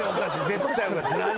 絶対おかしい。